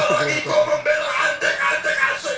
apalagi kau membela anjeng anjeng asik